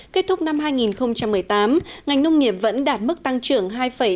kết thúc năm hai nghìn một mươi tám ngành nông nghiệp vẫn đạt mức tăng trưởng hai ba mươi